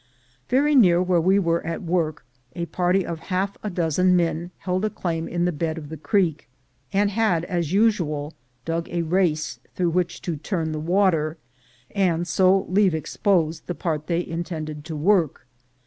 Very near where we were at work, a party of half a dozen men held a claim in the bed of the creek, and had as usual dug a race through which to turn the water, and so leave exposed the part they MINERS' LAW 153 intended to work.